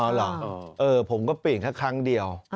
เหรอผมก็เปลี่ยนแค่ครั้งเดียว